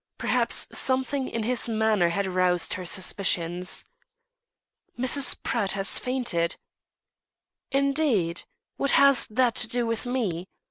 Perhaps something in his manner had roused her suspicions. "Mrs. Pratt has fainted." "Indeed? What has that to do with me?